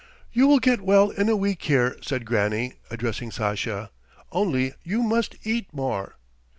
"You will get well in a week here," said Granny, addressing Sasha. "Only you must eat more.